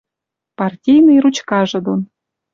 партийный ручкажы дон